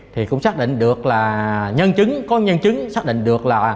thì cũng xác định được là nhân chứng có nhân chứng xác định được là